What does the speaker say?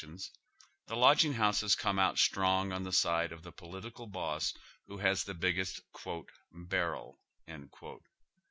tions, the lodging houses come onfc strong on the side of the political boss who has the biggest " barrel."